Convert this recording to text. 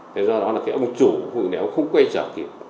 thế do đó là cái ông chủ cũng không quay trở kịp